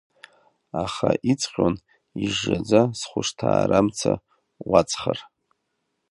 Аха иҵҟьон ижжаӡа схәышҭаарамца уаҵхар.